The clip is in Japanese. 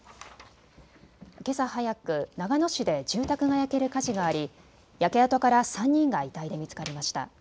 けさ早く長野市で住宅が焼ける火事があり焼け跡から３人が遺体で見つかりました。